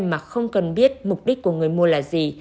mà không cần biết mục đích của người mua là gì